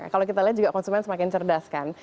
kalau kita lihat juga konsumen semakin cerdas kan